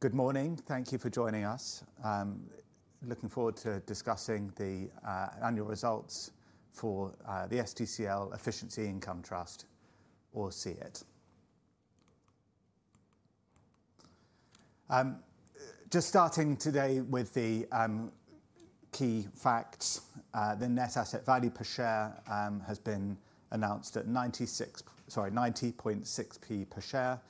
Good morning. Thank you for joining us. Looking forward to discussing the annual results for the SDCL Efficiency Income Trust, or SEIT. Just starting today with the key facts, the net asset value per share has been announced at 0.906 per share.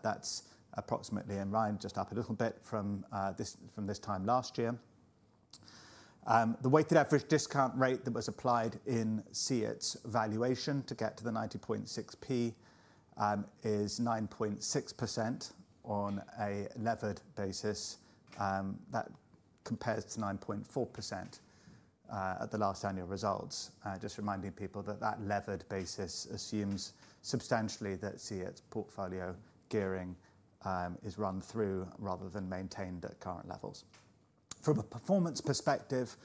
That is approximately in line, just up a little bit from this time last year. The weighted average discount rate that was applied in SEIT's valuation to get to the 0.906 is 9.6% on a levered basis. That compares to 9.4% at the last annual results. Just reminding people that that levered basis assumes substantially that SEIT's portfolio gearing is run through rather than maintained at current levels. From a performance perspective,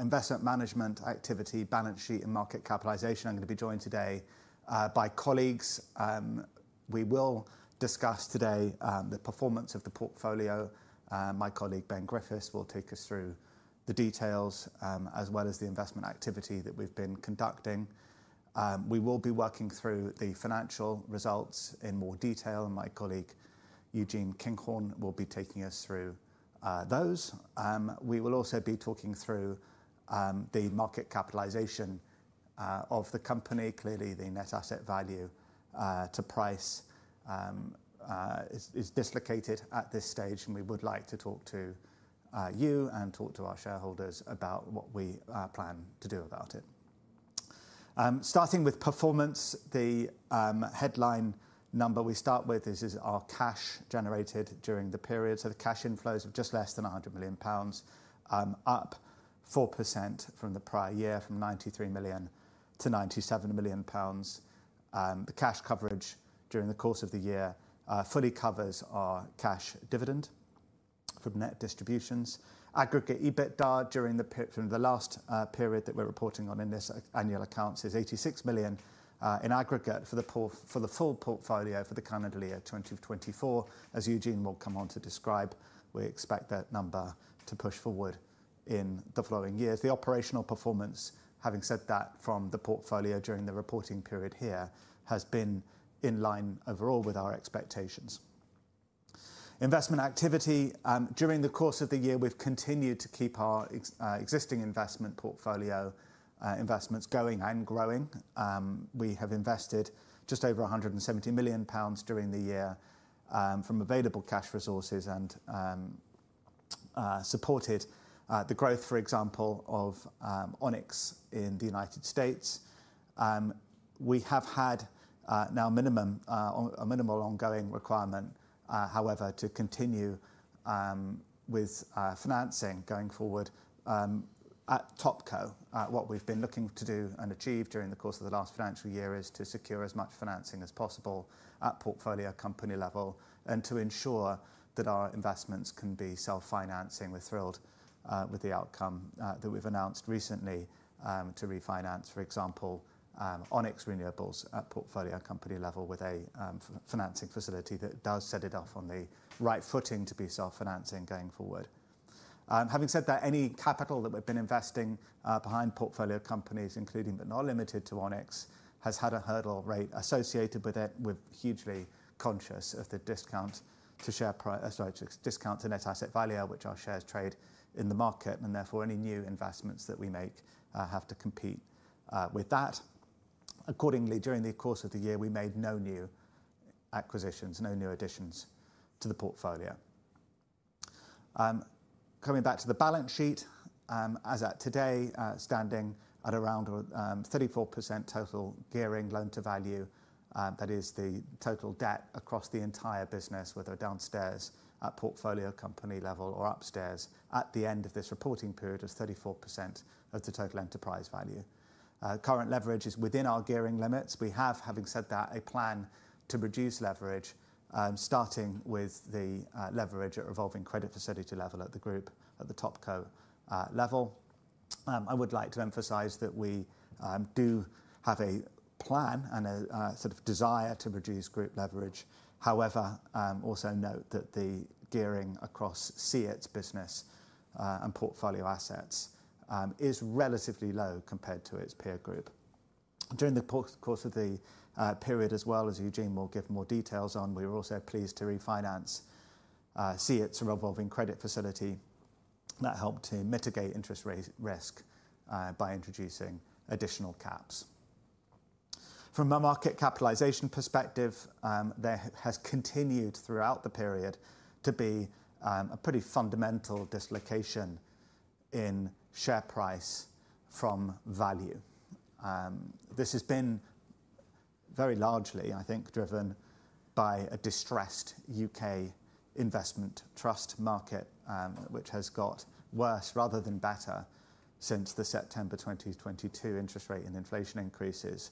investment management activity, balance sheet, and market capitalization, I am going to be joined today by colleagues. We will discuss today the performance of the portfolio. My colleague Ben Griffiths will take us through the details, as well as the investment activity that we've been conducting. We will be working through the financial results in more detail, and my colleague Eugene Kinghorn will be taking us through those. We will also be talking through the market capitalization of the company. Clearly, the net asset value to price is dislocated at this stage, and we would like to talk to you and talk to our shareholders about what we plan to do about it. Starting with performance, the headline number we start with is our cash generated during the period. The cash inflows of just less than 100 million pounds, up 4% from the prior year, from 93 million to 97 million pounds. The cash coverage during the course of the year fully covers our cash dividend from net distributions. Aggregate EBITDA during the period from the last period that we're reporting on in this annual accounts is 86 million, in aggregate for the full portfolio for the calendar year 2024. As Eugene will come on to describe, we expect that number to push forward in the following years. The operational performance, having said that, from the portfolio during the reporting period here has been in line overall with our expectations. Investment activity, during the course of the year, we've continued to keep our existing investment portfolio, investments going and growing. We have invested just over 170 million pounds during the year, from available cash resources and supported the growth, for example, of Onyx in the United States. We have had now a minimal ongoing requirement, however, to continue with financing going forward at Topco. What we've been looking to do and achieve during the course of the last financial year is to secure as much financing as possible at portfolio company level and to ensure that our investments can be self-financing. We're thrilled, with the outcome, that we've announced recently, to refinance, for example, Onyx Renewables at portfolio company level with a financing facility that does set it off on the right footing to be self-financing going forward. Having said that, any capital that we've been investing behind portfolio companies, including, but not limited to, Onyx, has had a hurdle rate associated with it. We're hugely conscious of the discount to share price, sorry, to discount to net asset value, which our shares trade in the market, and therefore any new investments that we make have to compete with that. Accordingly, during the course of the year, we made no new acquisitions, no new additions to the portfolio. Coming back to the balance sheet, as at today, standing at around 34% total gearing loan to value, that is the total debt across the entire business, whether downstairs at portfolio company level or upstairs at the end of this reporting period, is 34% of the total enterprise value. Current leverage is within our gearing limits. We have, having said that, a plan to reduce leverage, starting with the leverage at revolving credit facility level at the group at the Topco level. I would like to emphasize that we do have a plan and a sort of desire to reduce group leverage. However, also note that the gearing across SEIT's business and portfolio assets is relatively low compared to its peer group. During the course of the period, as well as Eugene will give more details on, we were also pleased to refinance SEIT's revolving credit facility that helped to mitigate interest rate risk by introducing additional caps. From a market capitalization perspective, there has continued throughout the period to be a pretty fundamental dislocation in share price from value. This has been very largely, I think, driven by a distressed U.K. investment trust market, which has got worse rather than better since the September 2022 interest rate and inflation increases.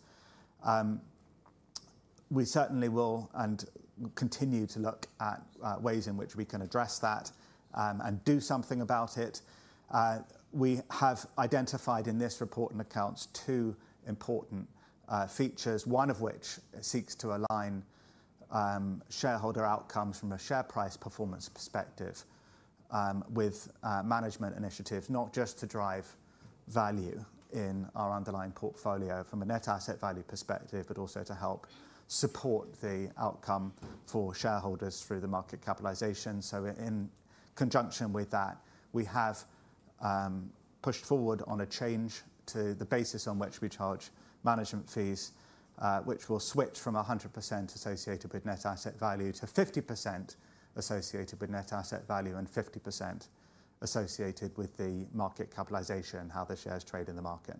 We certainly will and continue to look at ways in which we can address that, and do something about it. We have identified in this report and accounts two important features, one of which seeks to align shareholder outcomes from a share price performance perspective with management initiatives, not just to drive value in our underlying portfolio from a net asset value perspective, but also to help support the outcome for shareholders through the market capitalization. In conjunction with that, we have pushed forward on a change to the basis on which we charge management fees, which will switch from 100% associated with net asset value to 50% associated with net asset value and 50% associated with the market capitalization and how the shares trade in the market.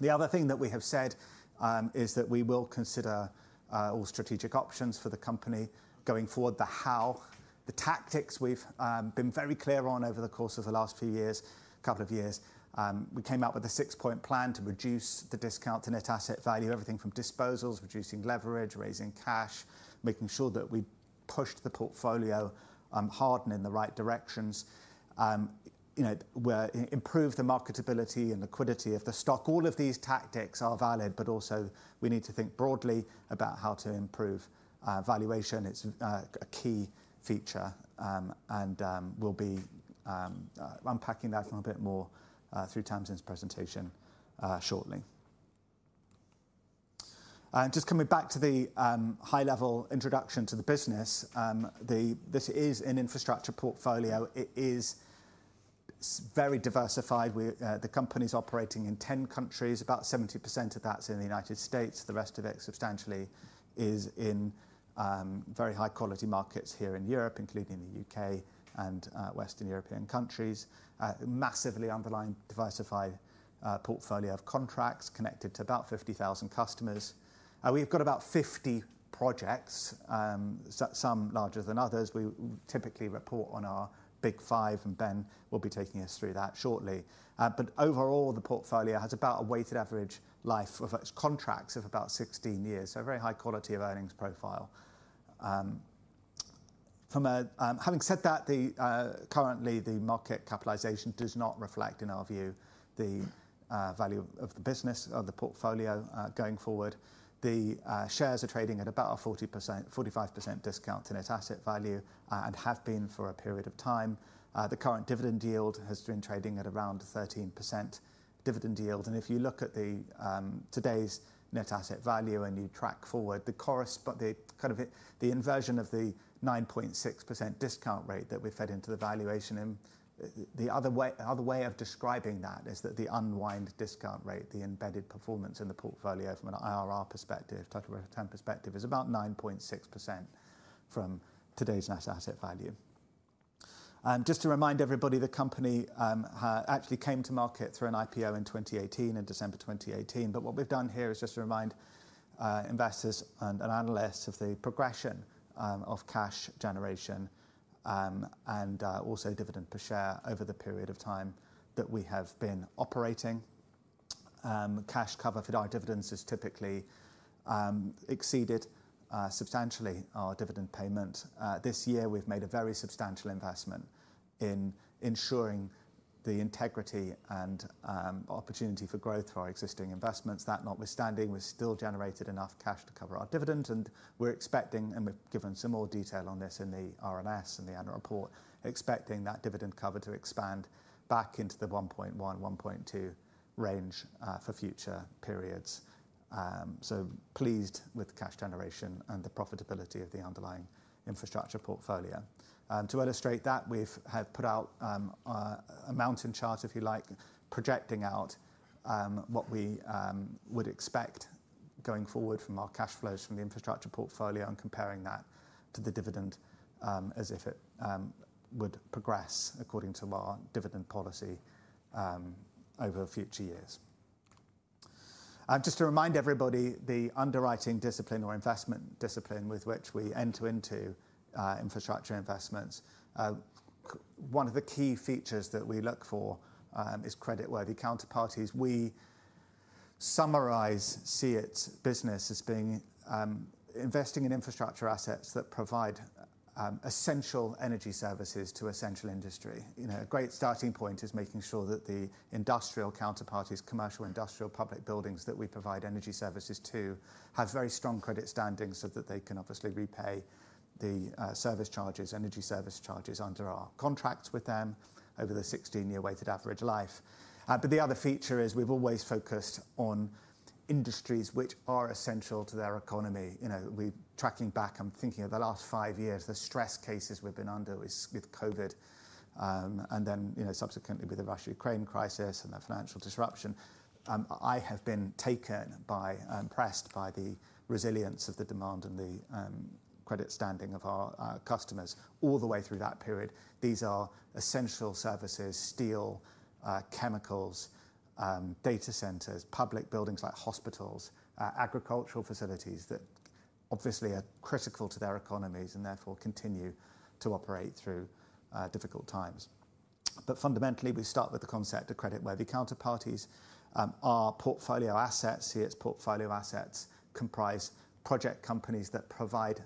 The other thing that we have said is that we will consider all strategic options for the company going forward, the how, the tactics we have been very clear on over the course of the last few years, couple of years. We came up with a six-point plan to reduce the discount to net asset value, everything from disposals, reducing leverage, raising cash, making sure that we pushed the portfolio hard in the right directions. You know, we've improved the marketability and liquidity of the stock. All of these tactics are valid, but also we need to think broadly about how to improve valuation. It's a key feature, and we'll be unpacking that a little bit more through Tamsin's presentation shortly. Just coming back to the high-level introduction to the business, this is an infrastructure portfolio. It is very diversified. The company's operating in 10 countries. About 70% of that's in the United States. The rest of it substantially is in very high-quality markets here in Europe, including the U.K. and Western European countries. Massively underlying diversified portfolio of contracts connected to about 50,000 customers. We've got about 50 projects, some larger than others. We typically report on our big five, and Ben will be taking us through that shortly. Overall, the portfolio has about a weighted average life of its contracts of about 16 years, so a very high quality of earnings profile. Having said that, currently the market capitalization does not reflect, in our view, the value of the business or the portfolio, going forward. The shares are trading at about a 40%-45% discount to net asset value, and have been for a period of time. The current dividend yield has been trading at around 13% dividend yield. If you look at today's net asset value and you track forward, the kind of the inversion of the 9.6% discount rate that we've fed into the valuation, the other way of describing that is that the unwind discount rate, the embedded performance in the portfolio from an IRR perspective, total return perspective, is about 9.6% from today's net asset value. Just to remind everybody, the company actually came to market through an IPO in 2018, in December 2018. What we've done here is just to remind investors and analysts of the progression of cash generation and also dividend per share over the period of time that we have been operating. Cash cover for our dividends has typically exceeded substantially our dividend payment. This year, we've made a very substantial investment in ensuring the integrity and opportunity for growth for our existing investments. That notwithstanding, we've still generated enough cash to cover our dividends, and we're expecting, and we've given some more detail on this in the R&S and the annual report, expecting that dividend cover to expand back into the 1.1-1.2 range for future periods. So pleased with the cash generation and the profitability of the underlying infrastructure portfolio. To illustrate that, we've had put out a mountain chart, if you like, projecting out what we would expect going forward from our cash flows from the infrastructure portfolio and comparing that to the dividend, as if it would progress according to our dividend policy over future years. Just to remind everybody, the underwriting discipline or investment discipline with which we enter into infrastructure investments, one of the key features that we look for is creditworthy counterparties. We summarize SEIT's business as being investing in infrastructure assets that provide essential energy services to essential industry. You know, a great starting point is making sure that the industrial counterparties, commercial, industrial, public buildings that we provide energy services to, have very strong credit standing so that they can obviously repay the service charges, energy service charges under our contracts with them over the 16-year weighted average life. The other feature is we've always focused on industries which are essential to their economy. You know, we're tracking back, I'm thinking of the last five years, the stress cases we've been under with COVID, and then, you know, subsequently with the Russia-Ukraine crisis and the financial disruption. I have been taken by, impressed by the resilience of the demand and the credit standing of our customers all the way through that period. These are essential services, steel, chemicals, data centers, public buildings like hospitals, agricultural facilities that obviously are critical to their economies and therefore continue to operate through difficult times. Fundamentally, we start with the concept of creditworthy counterparties. Our portfolio assets, SEIT's portfolio assets, comprise project companies that provide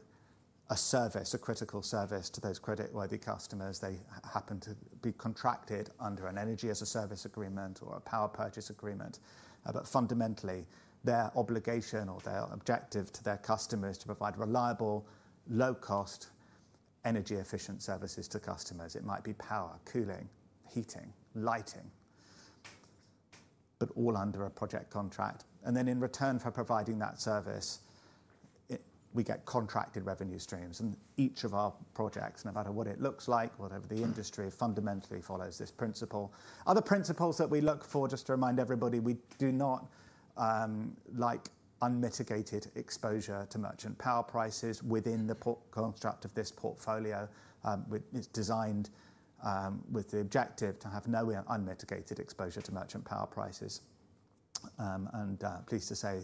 a service, a critical service to those creditworthy customers. They happen to be contracted under an energy as a service agreement or a power purchase agreement. Fundamentally, their obligation or their objective to their customers is to provide reliable, low-cost, energy-efficient services to customers. It might be power, cooling, heating, lighting, but all under a project contract. In return for providing that service, we get contracted revenue streams and each of our projects, no matter what it looks like, whatever the industry, fundamentally follows this principle. Other principles that we look for, just to remind everybody, we do not like unmitigated exposure to merchant power prices within the construct of this portfolio. It is designed, with the objective to have no unmitigated exposure to merchant power prices. I am pleased to say,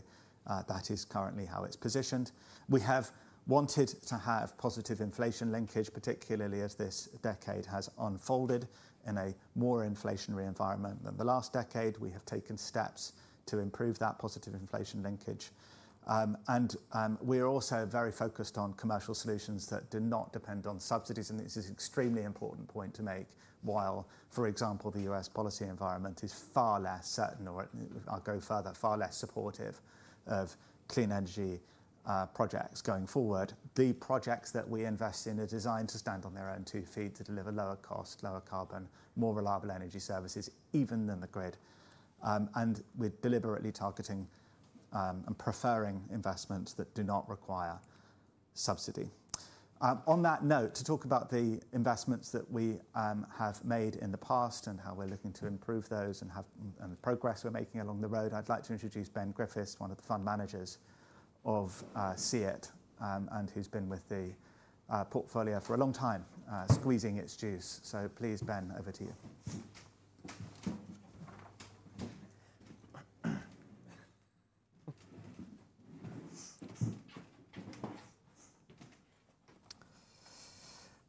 that is currently how it is positioned. We have wanted to have positive inflation linkage, particularly as this decade has unfolded in a more inflationary environment than the last decade. We have taken steps to improve that positive inflation linkage. We are also very focused on commercial solutions that do not depend on subsidies. This is an extremely important point to make while, for example, the US policy environment is far less certain or, I'll go further, far less supportive of clean energy, projects going forward. The projects that we invest in are designed to stand on their own two feet to deliver lower cost, lower carbon, more reliable energy services even than the grid. We are deliberately targeting, and preferring investments that do not require subsidy. On that note, to talk about the investments that we have made in the past and how we're looking to improve those and the progress we're making along the road, I'd like to introduce Ben Griffiths, one of the fund managers of SEIT, and who's been with the portfolio for a long time, squeezing its juice. Please, Ben, over to you.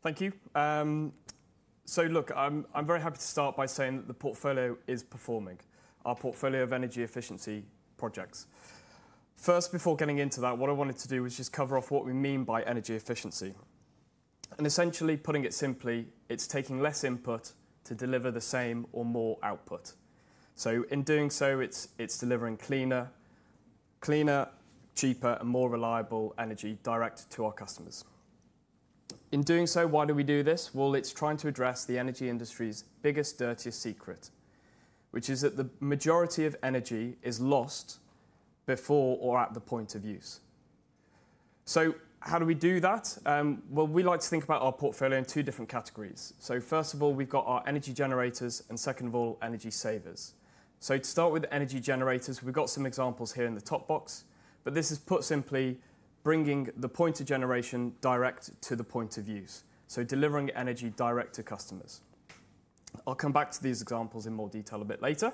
Thank you. Look, I'm very happy to start by saying that the portfolio is performing. Our portfolio of energy efficiency projects. First, before getting into that, what I wanted to do was just cover off what we mean by energy efficiency. Essentially, putting it simply, it's taking less input to deliver the same or more output. In doing so, it's delivering cleaner, cheaper, and more reliable energy direct to our customers. In doing so, why do we do this? It's trying to address the energy industry's biggest, dirtiest secret, which is that the majority of energy is lost before or at the point of use. How do we do that? We like to think about our portfolio in two different categories. First of all, we've got our energy generators and, second of all, energy savers. To start with energy generators, we've got some examples here in the top box, but this is, put simply, bringing the point of generation direct to the point of use. Delivering energy direct to customers. I'll come back to these examples in more detail a bit later.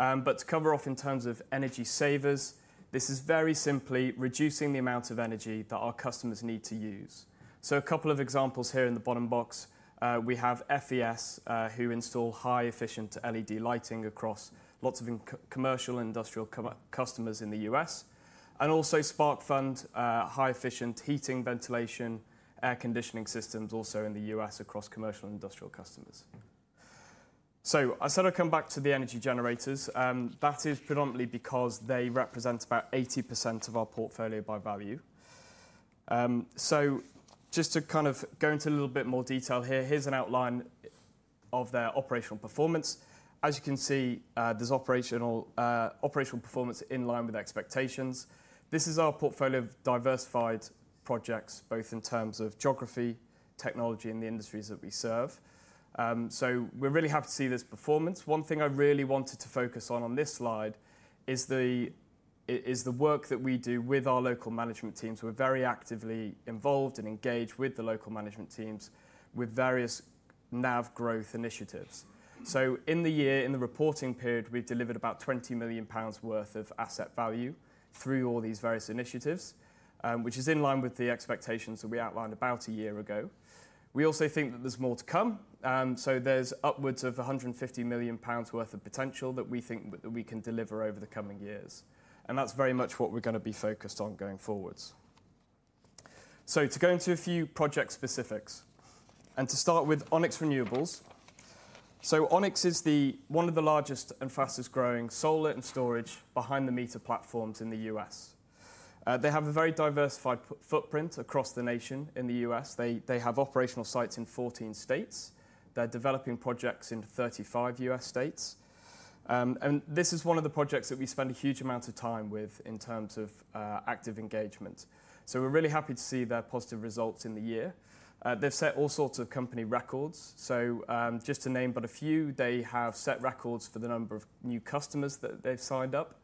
To cover off in terms of energy savers, this is very simply reducing the amount of energy that our customers need to use. A couple of examples here in the bottom box: we have FES, who install high-efficiency LED lighting across lots of commercial and industrial customers in the U.S., and also Sparkfund, high-efficiency heating, ventilation, air conditioning systems also in the U.S. across commercial and industrial customers. I said I'll come back to the energy generators. That is predominantly because they represent about 80% of our portfolio by value. Just to kind of go into a little bit more detail here, here's an outline of their operational performance. As you can see, there's operational performance in line with expectations. This is our portfolio of diversified projects, both in terms of geography, technology, and the industries that we serve. We're really happy to see this performance. One thing I really wanted to focus on on this slide is the work that we do with our local management teams. We're very actively involved and engaged with the local management teams with various NAV growth initiatives. In the year, in the reporting period, we've delivered about 20 million pounds worth of asset value through all these various initiatives, which is in line with the expectations that we outlined about a year ago. We also think that there's more to come. There's upwards of 150 million pounds worth of potential that we think that we can deliver over the coming years. That's very much what we're going to be focused on going forwards. To go into a few project specifics and to start with Onyx Renewables. Onyx is one of the largest and fastest growing solar and storage behind the meter platforms in the U.S. They have a very diversified footprint across the nation in the U.S. They have operational sites in 14 states. They're developing projects in 35 U.S. states. This is one of the projects that we spend a huge amount of time with in terms of active engagement. We're really happy to see their positive results in the year. They've set all sorts of company records. Just to name but a few, they have set records for the number of new customers that they've signed up.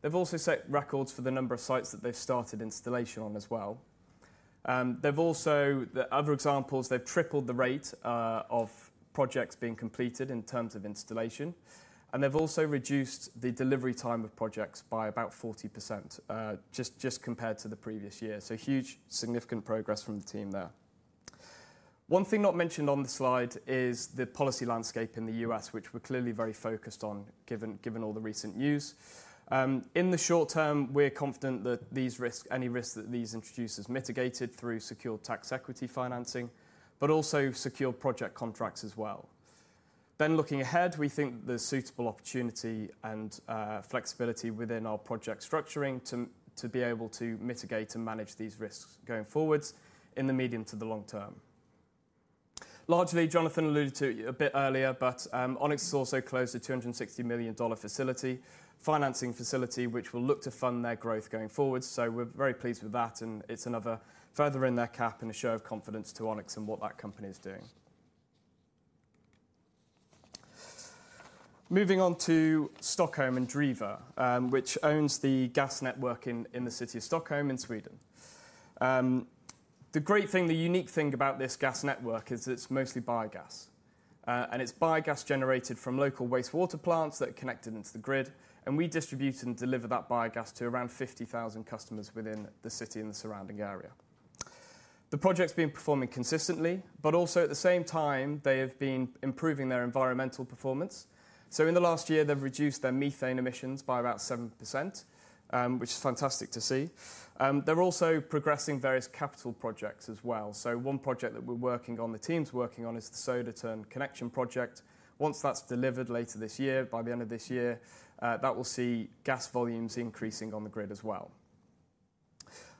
They've also set records for the number of sites that they've started installation on as well. They've also, the other examples, they've tripled the rate of projects being completed in terms of installation. They've also reduced the delivery time of projects by about 40% compared to the previous year. Huge significant progress from the team there. One thing not mentioned on the slide is the policy landscape in the U.S., which we're clearly very focused on given all the recent news. In the short term, we're confident that these risks, any risks that these introduce, are mitigated through secure tax equity financing, but also secure project contracts as well. Looking ahead, we think there's suitable opportunity and flexibility within our project structuring to be able to mitigate and manage these risks going forwards in the medium to the long term. Largely, Jonathan alluded to it a bit earlier, but Onyx has also closed a $260 million financing facility, which will look to fund their growth going forward. We're very pleased with that, and it's another feather in their cap and a show of confidence to Onyx and what that company is doing. Moving on to Stockholm and Driva, which owns the gas network in the city of Stockholm in Sweden. The great thing, the unique thing about this gas network is it's mostly biogas. and it's biogas generated from local wastewater plants that are connected into the grid, and we distribute and deliver that biogas to around 50,000 customers within the city and the surrounding area. The project's been performing consistently, but also at the same time, they have been improving their environmental performance. In the last year, they've reduced their methane emissions by about 7%, which is fantastic to see. they're also progressing various capital projects as well. One project that we're working on, the team's working on is the SodaTurn Connection project. Once that's delivered later this year, by the end of this year, that will see gas volumes increasing on the grid as well.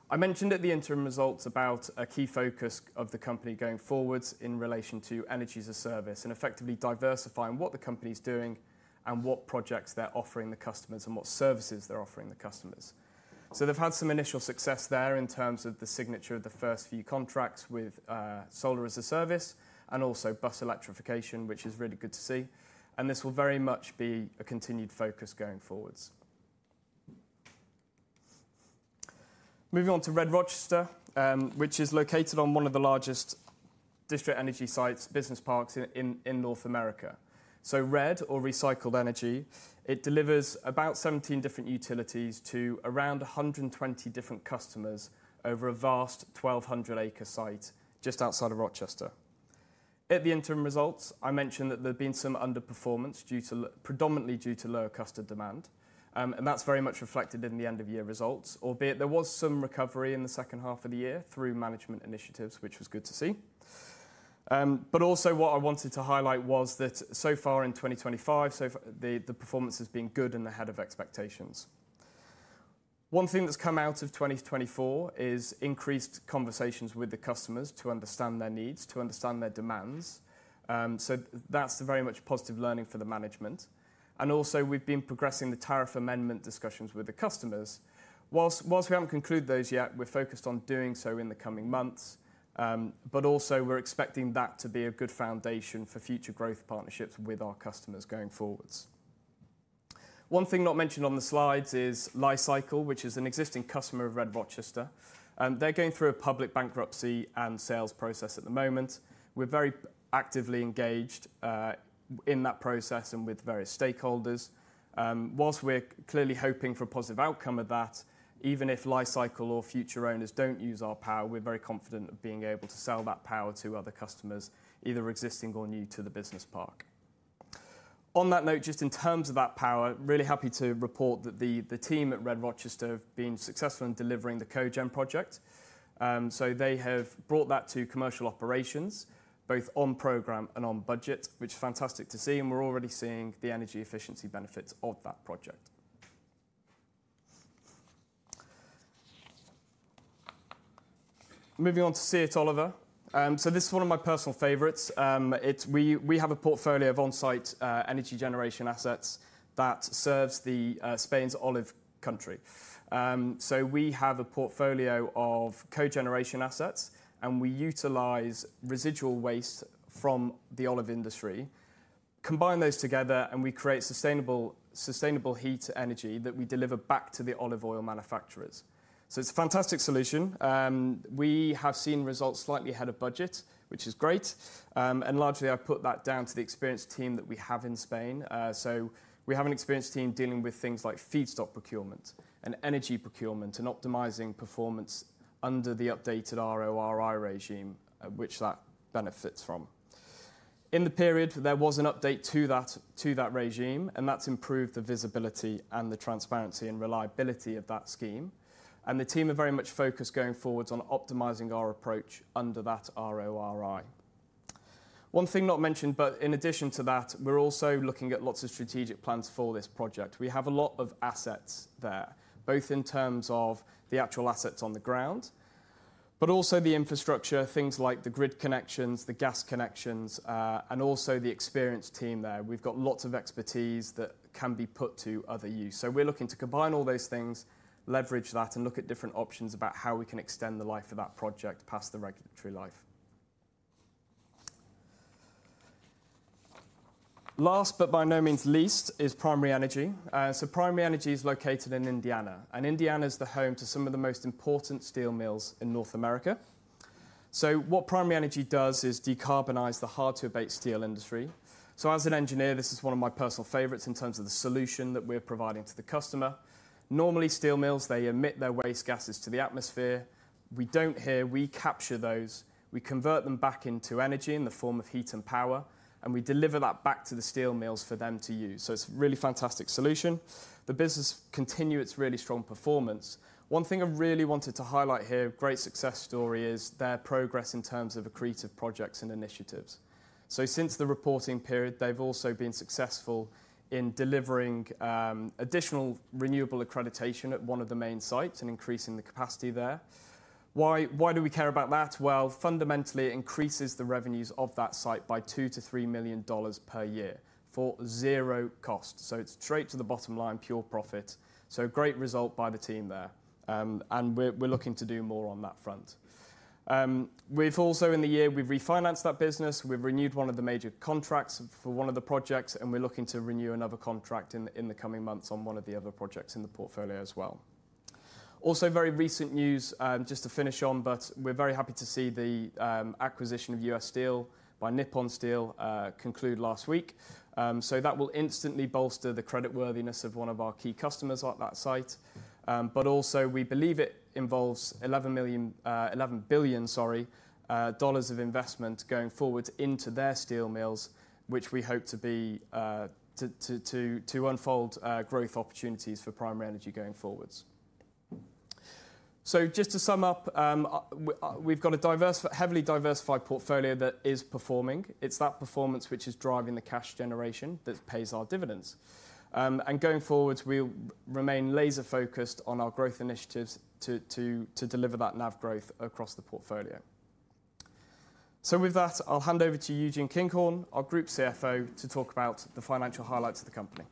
I mentioned at the interim results about a key focus of the company going forwards in relation to energy as a service and effectively diversifying what the company's doing and what projects they're offering the customers and what services they're offering the customers. They've had some initial success there in terms of the signature of the first few contracts with solar as a service and also bus electrification, which is really good to see. This will very much be a continued focus going forwards. Moving on to RED-Rochester, which is located on one of the largest district energy sites, business parks in North America. RED or Recycled Energy, it delivers about 17 different utilities to around 120 different customers over a vast 1,200 acre site just outside of Rochester. At the interim results, I mentioned that there've been some underperformance due to, predominantly due to lower customer demand. That's very much reflected in the end of year results, albeit there was some recovery in the second half of the year through management initiatives, which was good to see. Also, what I wanted to highlight was that so far in 2025, the performance has been good and ahead of expectations. One thing that's come out of 2024 is increased conversations with the customers to understand their needs, to understand their demands. That's a very much positive learning for the management. Also, we've been progressing the tariff amendment discussions with the customers. Whilst we haven't concluded those yet, we're focused on doing so in the coming months. but also we're expecting that to be a good foundation for future growth partnerships with our customers going forwards. One thing not mentioned on the slides is Lifecycle, which is an existing customer of RED-Rochester. They're going through a public bankruptcy and sales process at the moment. We're very actively engaged in that process and with various stakeholders. Whilst we're clearly hoping for a positive outcome of that, even if Lifecycle or future owners don't use our power, we're very confident of being able to sell that power to other customers, either existing or new to the business park. On that note, just in terms of that power, really happy to report that the team at RED-Rochester have been successful in delivering the Cogen Project. They have brought that to commercial operations, both on program and on budget, which is fantastic to see. We're already seeing the energy efficiency benefits of that project. Moving on to SEIT, Oliver, this is one of my personal favorites. We have a portfolio of onsite energy generation assets that serves Spain's olive country. We have a portfolio of cogeneration assets and we utilize residual waste from the olive industry, combine those together and we create sustainable, sustainable heat energy that we deliver back to the olive oil manufacturers. It's a fantastic solution. We have seen results slightly ahead of budget, which is great, and largely I put that down to the experienced team that we have in Spain. We have an experienced team dealing with things like feedstock procurement and energy procurement and optimizing performance under the updated RORi regime, which that benefits from. In the period, there was an update to that, to that regime, and that has improved the visibility and the transparency and reliability of that scheme. The team are very much focused going forwards on optimizing our approach under that RORi. One thing not mentioned, but in addition to that, we are also looking at lots of strategic plans for this project. We have a lot of assets there, both in terms of the actual assets on the ground, but also the infrastructure, things like the grid connections, the gas connections, and also the experienced team there. We have got lots of expertise that can be put to other use. We are looking to combine all those things, leverage that, and look at different options about how we can extend the life of that project past the regulatory life. Last, but by no means least, is Primary Energy. Primary Energy is located in Indiana, and Indiana is the home to some of the most important steel mills in North America. What Primary Energy does is decarbonize the hard-to-abate steel industry. As an engineer, this is one of my personal favorites in terms of the solution that we're providing to the customer. Normally, steel mills emit their waste gases to the atmosphere. We do not here, we capture those, we convert them back into energy in the form of heat and power, and we deliver that back to the steel mills for them to use. It is a really fantastic solution. The business continues its really strong performance. One thing I really wanted to highlight here, a great success story is their progress in terms of accretive projects and initiatives. Since the reporting period, they've also been successful in delivering additional renewable accreditation at one of the main sites and increasing the capacity there. Why do we care about that? Fundamentally, it increases the revenues of that site by $2 million-$3 million per year for zero cost. It is straight to the bottom line, pure profit. A great result by the team there, and we're looking to do more on that front. We've also, in the year, refinanced that business. We've renewed one of the major contracts for one of the projects, and we're looking to renew another contract in the coming months on one of the other projects in the portfolio as well. Also, very recent news just to finish on, but we're very happy to see the acquisition of U.S. Steel by Nippon Steel conclude last week. That will instantly bolster the creditworthiness of one of our key customers at that site. We also believe it involves $11 billion of investment going forward into their steel mills, which we hope to unfold growth opportunities for Primary Energy going forward. Just to sum up, we've got a heavily diversified portfolio that is performing. It's that performance which is driving the cash generation that pays our dividends. Going forward, we'll remain laser-focused on our growth initiatives to deliver that NAV growth across the portfolio. With that, I'll hand over to Eugene Kinghorn, our Group CFO, to talk about the financial highlights of the company.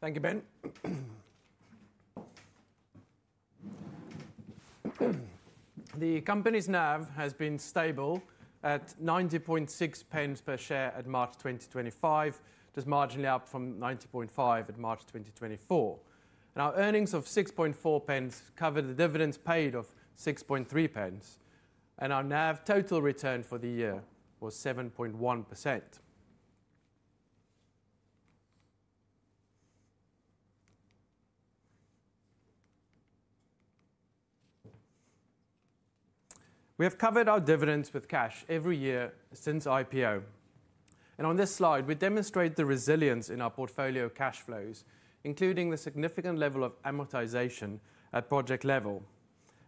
Thank you, Ben. The company's NAV has been stable at 0.906 per share at March 2025, just marginally up from 0.905 at March 2024. Our earnings of 0.064 covered the dividends paid of 0.063. Our NAV total return for the year was 7.1%. We have covered our dividends with cash every year since IPO. On this slide, we demonstrate the resilience in our portfolio cash flows, including the significant level of amortization at project level.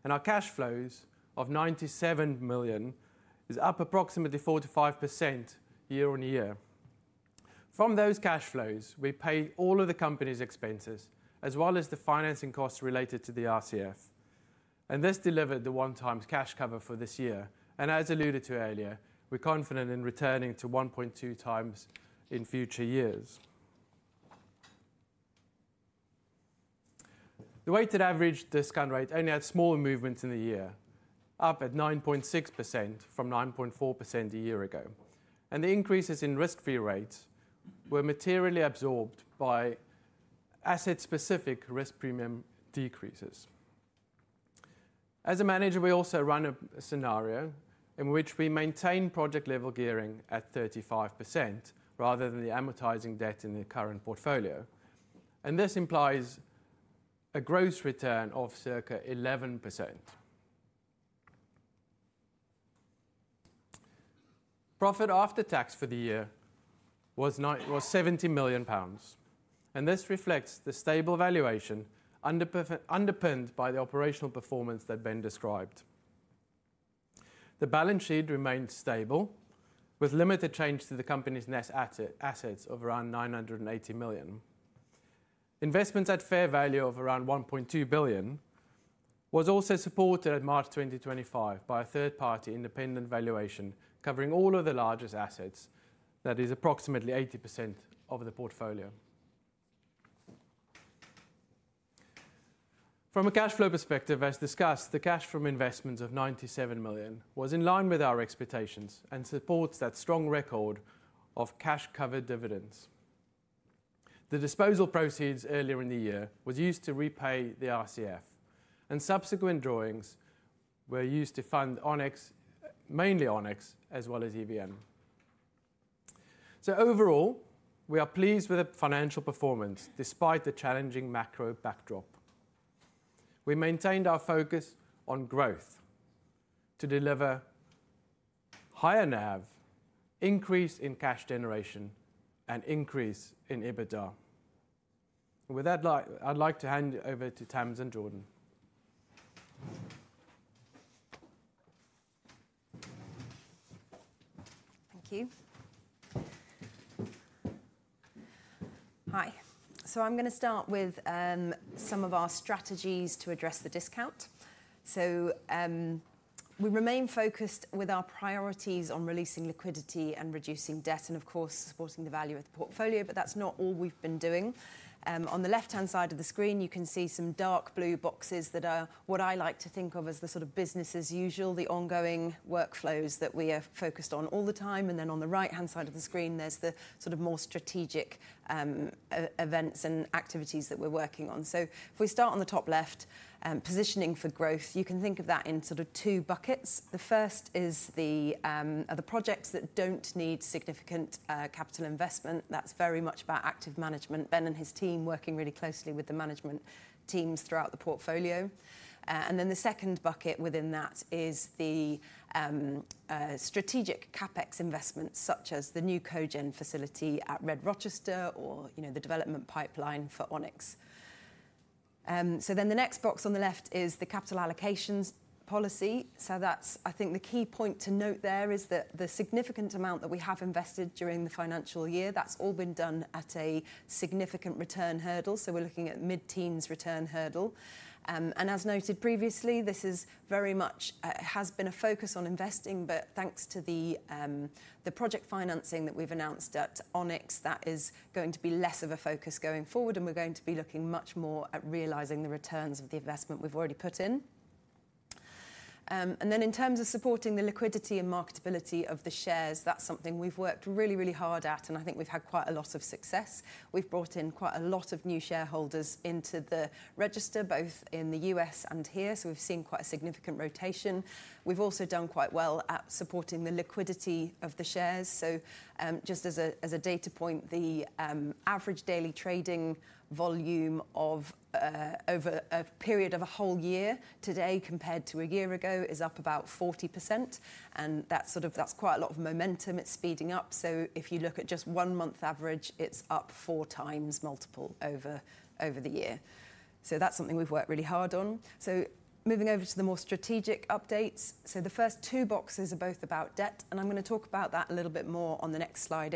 Our cash flows of 97 million are up approximately 45% year on year. From those cash flows, we pay all of the company's expenses as well as the financing costs related to the RCF. This delivered the one-time cash cover for this year. As alluded to earlier, we're confident in returning to 1.2 times in future years. The weighted average discount rate only had small movements in the year, up at 9.6% from 9.4% a year ago. The increases in risk-free rates were materially absorbed by asset-specific risk premium decreases. As a manager, we also run a scenario in which we maintain project-level gearing at 35% rather than the amortizing debt in the current portfolio. This implies a gross return of circa 11%. Profit after tax for the year was 70 million pounds. This reflects the stable valuation underpinned by the operational performance that Ben described. The balance sheet remained stable with limited change to the company's net assets of around 980 million. Investments at fair value of around 1.2 billion was also supported at March 2025 by a third-party independent valuation covering all of the largest assets, that is approximately 80% of the portfolio. From a cash flow perspective, as discussed, the cash from investments of 97 million was in line with our expectations and supports that strong record of cash-covered dividends. The disposal proceeds earlier in the year were used to repay the RCF, and subsequent drawings were used to fund Onyx, mainly Onyx, as well as EVM. Overall, we are pleased with the financial performance despite the challenging macro backdrop. We maintained our focus on growth to deliver higher NAV, increase in cash generation, and increase in EBITDA. With that, I'd like to hand it over to Tamsin Jordan. Thank you. Hi. I'm going to start with some of our strategies to address the discount. We remain focused with our priorities on releasing liquidity and reducing debt and, of course, supporting the value of the portfolio, but that's not all we've been doing. On the left-hand side of the screen, you can see some dark blue boxes that are what I like to think of as the sort of business as usual, the ongoing workflows that we are focused on all the time. Then on the right-hand side of the screen, there is the sort of more strategic, events and activities that we are working on. If we start on the top left, positioning for growth, you can think of that in sort of two buckets. The first is the, are the projects that do not need significant capital investment. That is very much about active management, Ben and his team working really closely with the management teams throughout the portfolio. Then the second bucket within that is the strategic CapEx investments, such as the new Cogen facility at RED-Rochester or, you know, the development pipeline for Onyx. The next box on the left is the capital allocations policy. I think the key point to note there is that the significant amount that we have invested during the financial year, that's all been done at a significant return hurdle. We're looking at mid-teens return hurdle. As noted previously, this has been very much a focus on investing, but thanks to the project financing that we've announced at Onyx, that is going to be less of a focus going forward, and we're going to be looking much more at realizing the returns of the investment we've already put in. In terms of supporting the liquidity and marketability of the shares, that's something we've worked really, really hard at, and I think we've had quite a lot of success. We've brought in quite a lot of new shareholders into the register, both in the U.S. and here, so we've seen quite a significant rotation. We've also done quite well at supporting the liquidity of the shares. Just as a data point, the average daily trading volume over a period of a whole year today compared to a year ago is up about 40%. That is quite a lot of momentum. It's speeding up. If you look at just one month average, it's up four times multiple over the year. That is something we've worked really hard on. Moving over to the more strategic updates. The first two boxes are both about debt, and I'm going to talk about that a little bit more on the next slide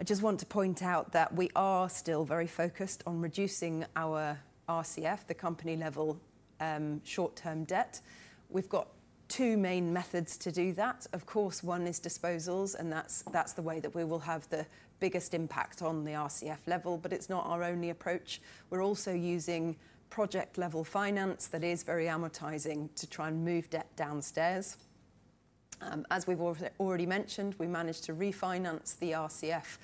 anyway, but I just want to point out that we are still very focused on reducing our RCF, the company-level, short-term debt. We've got two main methods to do that. Of course, one is disposals, and that's the way that we will have the biggest impact on the RCF level, but it's not our only approach. We're also using project-level finance that is very amortizing to try and move debt downstairs. As we've already mentioned, we managed to refinance the RCF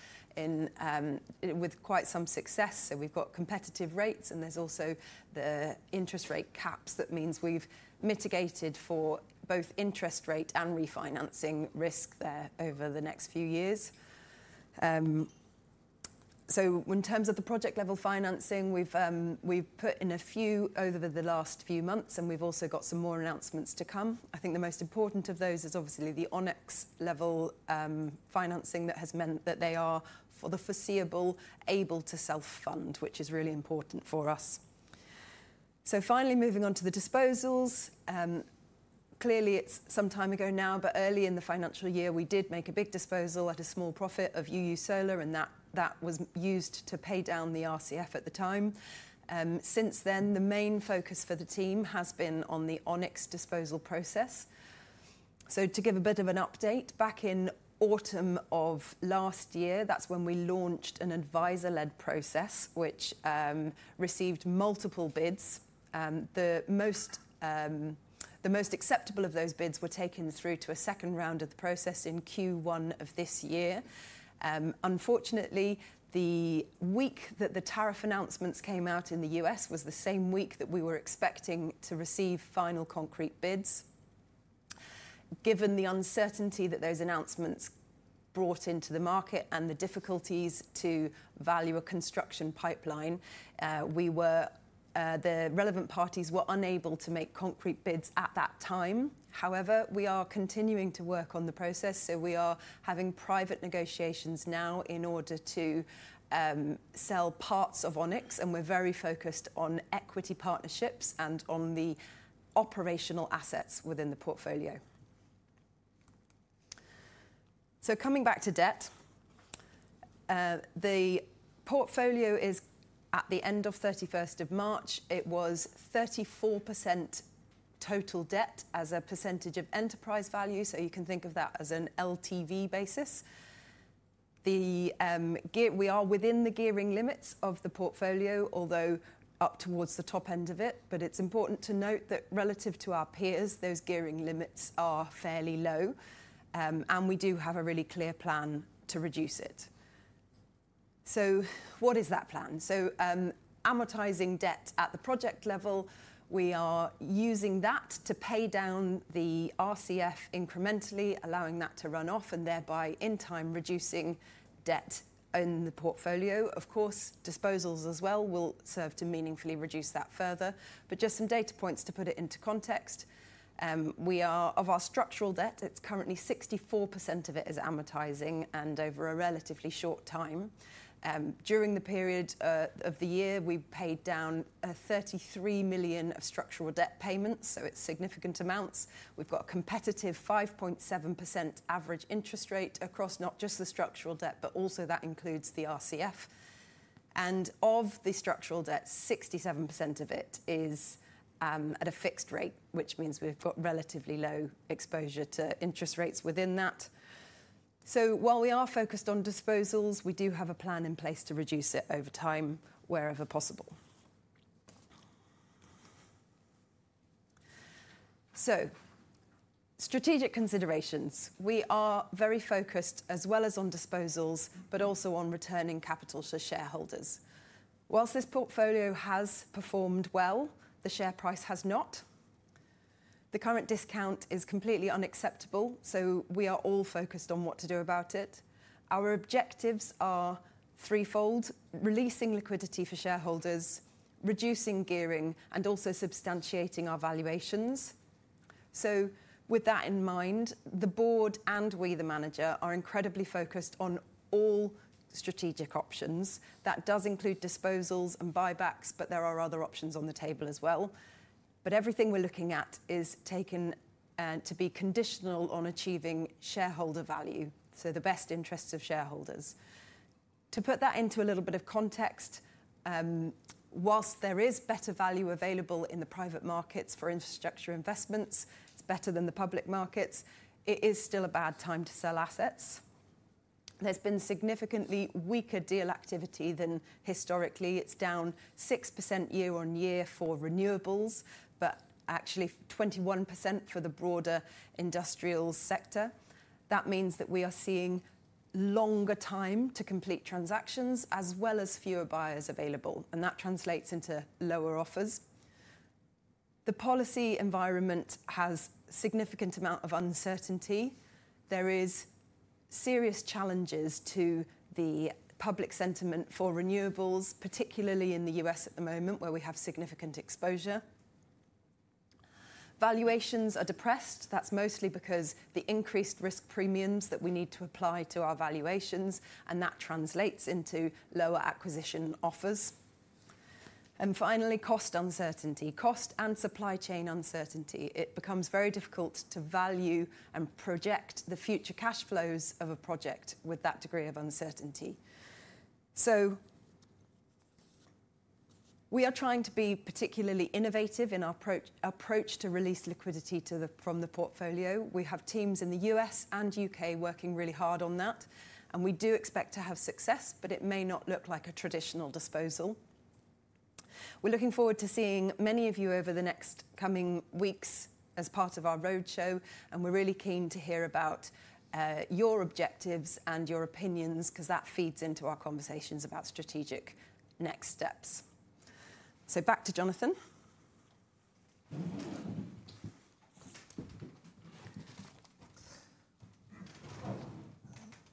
with quite some success. We've got competitive rates, and there's also the interest rate caps. That means we've mitigated for both interest rate and refinancing risk there over the next few years. In terms of the project-level financing, we've put in a few over the last few months, and we've also got some more announcements to come. I think the most important of those is obviously the Onyx level financing that has meant that they are for the foreseeable able to self-fund, which is really important for us. Finally, moving on to the disposals, clearly it's some time ago now, but early in the financial year, we did make a big disposal at a small profit of UU Solar, and that was used to pay down the RCF at the time. Since then, the main focus for the team has been on the Onyx disposal process. To give a bit of an update, back in autumn of last year, that's when we launched an advisor-led process, which received multiple bids. The most acceptable of those bids were taken through to a second round of the process in Q1 of this year. Unfortunately, the week that the tariff announcements came out in the U.S. was the same week that we were expecting to receive final concrete bids. Given the uncertainty that those announcements brought into the market and the difficulties to value a construction pipeline, the relevant parties were unable to make concrete bids at that time. However, we are continuing to work on the process, so we are having private negotiations now in order to sell parts of Onyx, and we're very focused on equity partnerships and on the operational assets within the portfolio. Coming back to debt, the portfolio is at the end of 31 March. It was 34% total debt as a percentage of enterprise value. You can think of that as an LTV basis. The gearing, we are within the gearing limits of the portfolio, although up towards the top end of it. It's important to note that relative to our peers, those gearing limits are fairly low, and we do have a really clear plan to reduce it. What is that plan? Amortizing debt at the project level, we are using that to pay down the RCF incrementally, allowing that to run off and thereby in time reducing debt in the portfolio. Of course, disposals as well will serve to meaningfully reduce that further. Just some data points to put it into context, of our structural debt, it's currently 64% of it is amortizing and over a relatively short time. During the period of the year, we've paid down 33 million of structural debt payments, so it's significant amounts. We've got a competitive 5.7% average interest rate across not just the structural debt, but also that includes the RCF. Of the structural debt, 67% of it is at a fixed rate, which means we've got relatively low exposure to interest rates within that. While we are focused on disposals, we do have a plan in place to reduce it over time wherever possible. Strategic considerations, we are very focused as well as on disposals, but also on returning capital to shareholders. Whilst this portfolio has performed well, the share price has not. The current discount is completely unacceptable, so we are all focused on what to do about it. Our objectives are threefold: releasing liquidity for shareholders, reducing gearing, and also substantiating our valuations. With that in mind, the board and we, the manager, are incredibly focused on all strategic options. That does include disposals and buybacks, but there are other options on the table as well. Everything we are looking at is taken to be conditional on achieving shareholder value, so the best interests of shareholders. To put that into a little bit of context, whilst there is better value available in the private markets for infrastructure investments, it is better than the public markets, it is still a bad time to sell assets. There has been significantly weaker deal activity than historically. It is down 6% year on year for renewables, but actually 21% for the broader industrial sector. That means that we are seeing longer time to complete transactions as well as fewer buyers available, and that translates into lower offers. The policy environment has a significant amount of uncertainty. There are serious challenges to the public sentiment for renewables, particularly in the U.S. at the moment where we have significant exposure. Valuations are depressed. That's mostly because of the increased risk premiums that we need to apply to our valuations, and that translates into lower acquisition offers. Finally, cost uncertainty, cost and supply chain uncertainty. It becomes very difficult to value and project the future cash flows of a project with that degree of uncertainty. We are trying to be particularly innovative in our approach to release liquidity from the portfolio. We have teams in the U.S. and U.K. working really hard on that, and we do expect to have success, but it may not look like a traditional disposal. We're looking forward to seeing many of you over the next coming weeks as part of our roadshow, and we're really keen to hear about your objectives and your opinions because that feeds into our conversations about strategic next steps. Back to Jonathan.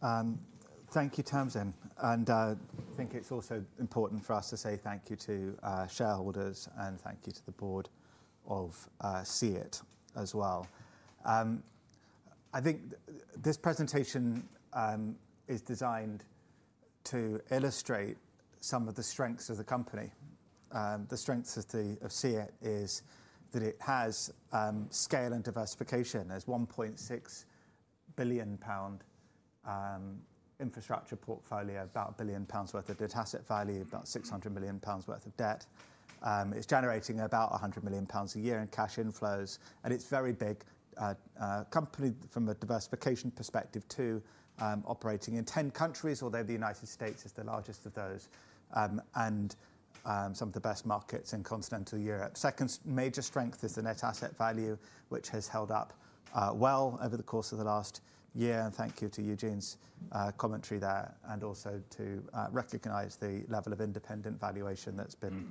Thank you, Tamsin, and I think it's also important for us to say thank you to shareholders and thank you to the board of SEIT as well. I think this presentation is designed to illustrate some of the strengths of the company. The strengths of SEIT is that it has scale and diversification. There's 1.6 billion pound infrastructure portfolio, about 1 billion pounds worth of net asset value, about 600 million pounds worth of debt. It's generating about 100 million pounds a year in cash inflows, and it's a very big company from a diversification perspective too, operating in 10 countries, although the United States is the largest of those, and some of the best markets in continental Europe. The second major strength is the net asset value, which has held up well over the course of the last year. Thank you to Eugene's commentary there and also to recognize the level of independent valuation that's been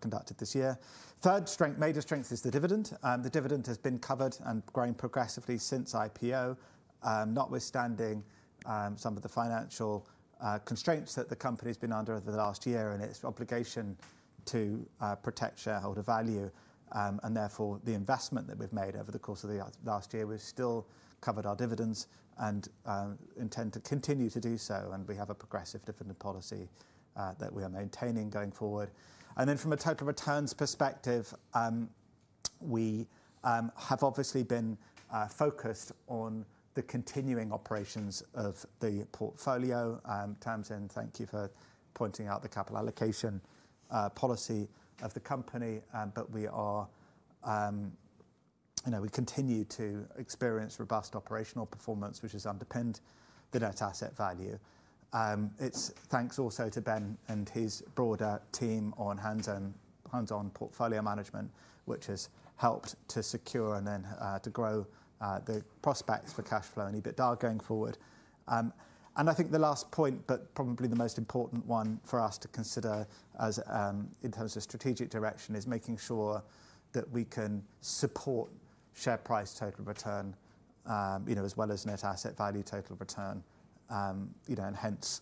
conducted this year. The third strength, major strength, is the dividend. The dividend has been covered and growing progressively since IPO, notwithstanding some of the financial constraints that the company has been under over the last year and its obligation to protect shareholder value. Therefore, the investment that we've made over the course of the last year, we've still covered our dividends and intend to continue to do so. We have a progressive dividend policy that we are maintaining going forward. From a total returns perspective, we have obviously been focused on the continuing operations of the portfolio. Tamsin, thank you for pointing out the capital allocation policy of the company. We continue to experience robust operational performance, which has underpinned the net asset value. It is thanks also to Ben and his broader team on hands-on portfolio management, which has helped to secure and then to grow the prospects for cash flow and EBITDA going forward. I think the last point, but probably the most important one for us to consider in terms of strategic direction, is making sure that we can support share price total return, you know, as well as net asset value total return, you know, and hence,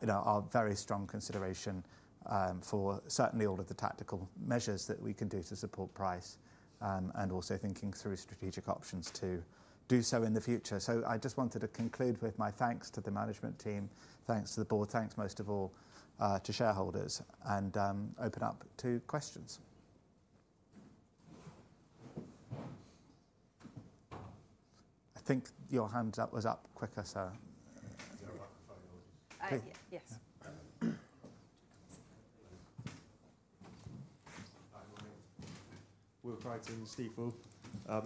you know, our very strong consideration for certainly all of the tactical measures that we can do to support price, and also thinking through strategic options to do so in the future. I just wanted to conclude with my thanks to the management team, thanks to the board, thanks most of all to shareholders, and open up to questions. I think your hand was up quicker, sir. Is there a microphone? Yes. Hi, morning. We're writing, Steve.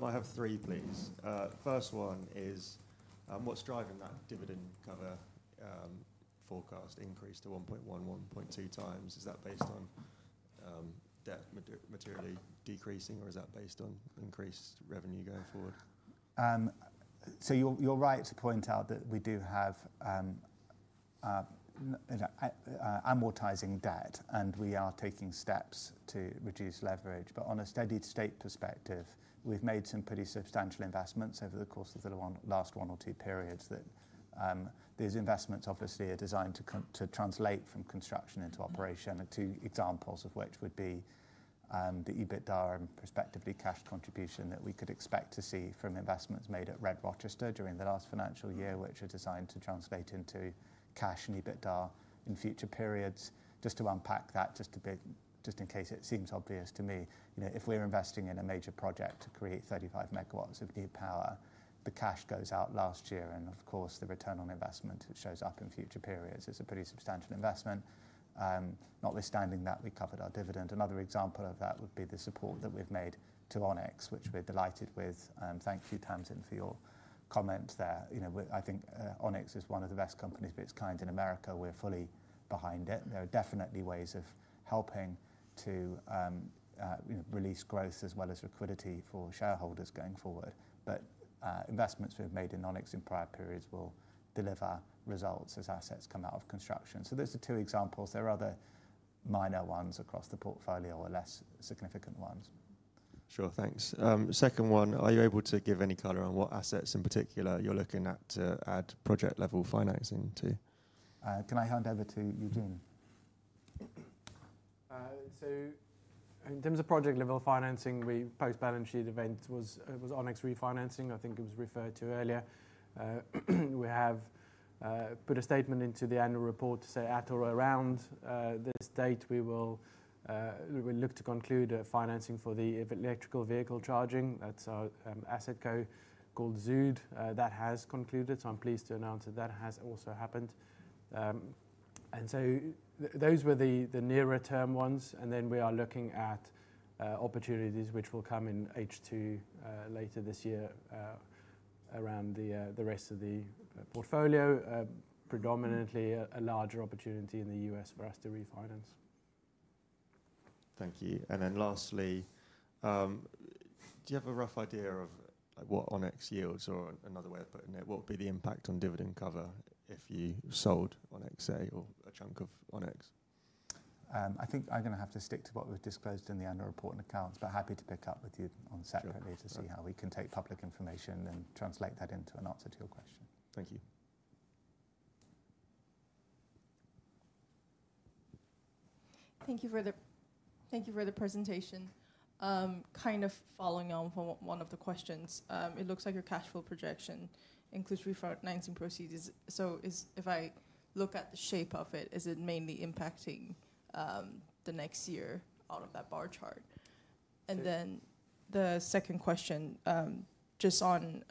I have three, please. First one is, what's driving that dividend cover forecast increase to 1.1-1.2 times? Is that based on debt materially decreasing or is that based on increased revenue going forward? You're right to point out that we do have amortizing debt and we are taking steps to reduce leverage. On a steady state perspective, we've made some pretty substantial investments over the course of the last one or two periods. These investments obviously are designed to translate from construction into operation, two examples of which would be the EBITDA and prospectively cash contribution that we could expect to see from investments made at RED-Rochester during the last financial year, which are designed to translate into cash and EBITDA in future periods. Just to unpack that just a bit, just in case it seems obvious to me, you know, if we're investing in a major project to create 35 MW of new power, the cash goes out last year and of course the return on investment that shows up in future periods is a pretty substantial investment, notwithstanding that we covered our dividend. Another example of that would be the support that we've made to Onyx, which we're delighted with. Thank you, Tamsin, for your comment there. You know, I think Onyx is one of the best companies of its kind in America. We're fully behind it. There are definitely ways of helping to, you know, release growth as well as liquidity for shareholders going forward. Investments we've made in Onyx in prior periods will deliver results as assets come out of construction. So those are two examples. There are other minor ones across the portfolio or less significant ones. Sure, thanks. Second one, are you able to give any color on what assets in particular you're looking at to add project level financing to? Can I hand over to Eugene? In terms of project level financing, the post-balance sheet event was, it was Onyx refinancing. I think it was referred to earlier. We have put a statement into the annual report to say at or around this date we will, we look to conclude a financing for the electrical vehicle charging. That's our asset code called Zood. That has concluded. I'm pleased to announce that that has also happened. Those were the nearer term ones. We are looking at opportunities which will come in H2, later this year, around the rest of the portfolio, predominantly a larger opportunity in the U.S. for us to refinance. Thank you. Lastly, do you have a rough idea of what Onyx yields or, another way of putting it, what would be the impact on dividend cover if you sold Onyx or a chunk of Onyx? I think I am going to have to stick to what we have disclosed in the annual report and accounts, but happy to pick up with you separately to see how we can take public information and translate that into an answer to your question. Thank you. Thank you for the presentation. Kind of following on from one of the questions, it looks like your cash flow projection includes refinancing proceeds. If I look at the shape of it, is it mainly impacting the next year out of that bar chart? The second question, just on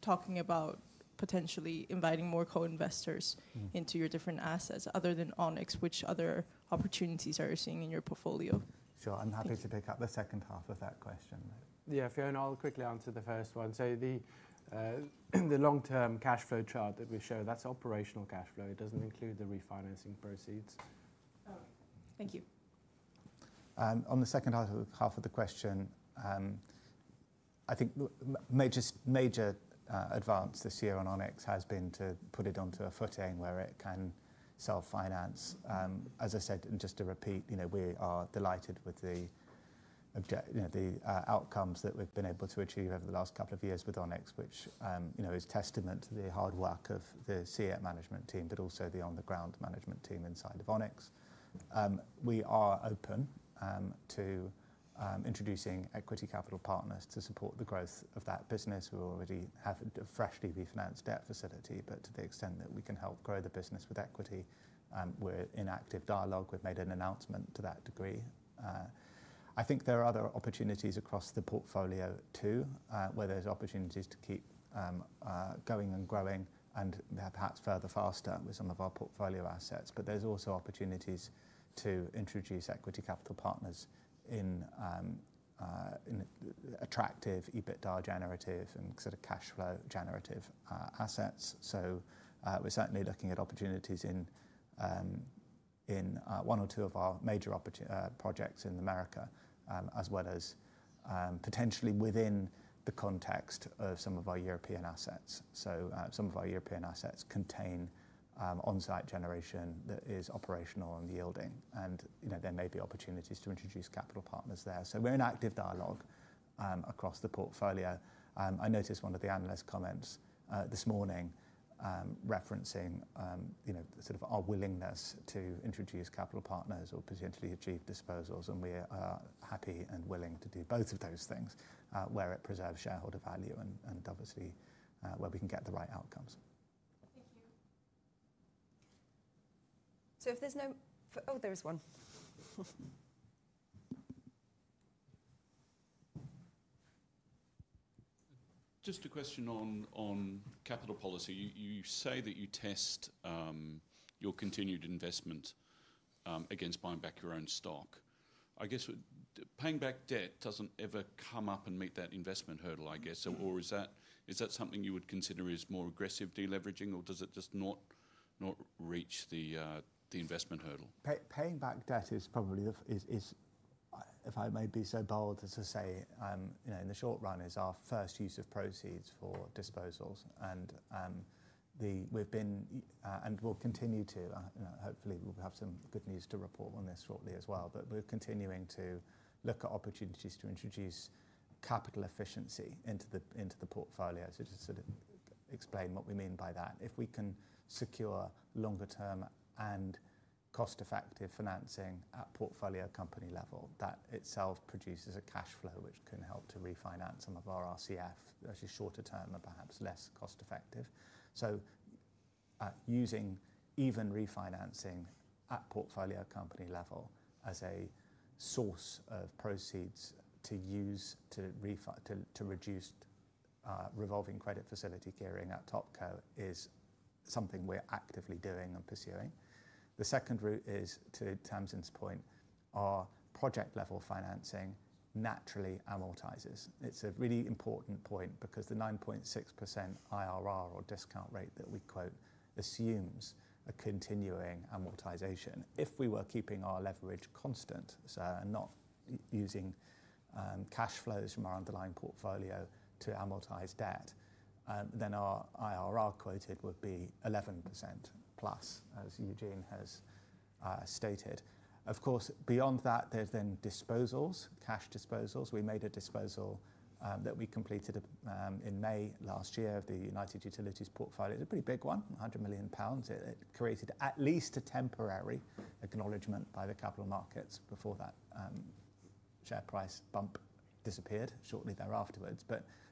talking about potentially inviting more co-investors into your different assets other than Onyx, which other opportunities are you seeing in your portfolio? Sure, I'm happy to pick up the second half of that question. Yeah, Fiona, I'll quickly answer the first one. The long-term cash flow chart that we show, that's operational cash flow. It doesn't include the refinancing proceeds. Okay, thank you. On the second half of the question, I think major, major advance this year on Onyx has been to put it onto a footing where it can self-finance. As I said, and just to repeat, you know, we are delighted with the object, you know, the outcomes that we've been able to achieve over the last couple of years with Onyx, which, you know, is testament to the hard work of the SEIT management team, but also the on-the-ground management team inside of Onyx. We are open, to, introducing equity capital partners to support the growth of that business. We already have a freshly refinanced debt facility, but to the extent that we can help grow the business with equity, we're in active dialogue. We've made an announcement to that degree. I think there are other opportunities across the portfolio too, where there's opportunities to keep, going and growing and perhaps further faster with some of our portfolio assets. There are also opportunities to introduce equity capital partners in attractive EBITDA generative and sort of cash flow generative assets. We are certainly looking at opportunities in one or two of our major opportunities, projects in America, as well as potentially within the context of some of our European assets. Some of our European assets contain onsite generation that is operational and yielding. You know, there may be opportunities to introduce capital partners there. We are in active dialogue across the portfolio. I noticed one of the analyst comments this morning referencing, you know, sort of our willingness to introduce capital partners or potentially achieve disposals. We are happy and willing to do both of those things, where it preserves shareholder value and obviously, where we can get the right outcomes. Thank you. If there is no, oh, there is one. Just a question on capital policy. You say that you test your continued investment against buying back your own stock. I guess paying back debt does not ever come up and meet that investment hurdle, I guess. Or is that something you would consider as more aggressive deleveraging or does it just not reach the investment hurdle? Paying back debt is probably the, if I may be so bold as to say, you know, in the short run is our first use of proceeds for disposals. We have been, and we will continue to, you know, hopefully we will have some good news to report on this shortly as well, but we are continuing to look at opportunities to introduce capital efficiency into the portfolio. Just to sort of explain what we mean by that. If we can secure longer term and cost effective financing at portfolio company level, that itself produces a cash flow which can help to refinance some of our RCF, which is shorter term and perhaps less cost effective. Using even refinancing at portfolio company level as a source of proceeds to use to refi, to reduce, revolving credit facility gearing at Topco is something we're actively doing and pursuing. The second route is to Tamsin's point, our project level financing naturally amortizes. It's a really important point because the 9.6% IRR or discount rate that we quote assumes a continuing amortization. If we were keeping our leverage constant, sir, and not using cash flows from our underlying portfolio to amortize debt, then our IRR quoted would be 11% plus, as Eugene has stated. Of course, beyond that, there's then disposals, cash disposals. We made a disposal, that we completed, in May last year of the United Utilities portfolio. It is a pretty big one, 100 million pounds. It created at least a temporary acknowledgement by the capital markets before that share price bump disappeared shortly afterwards.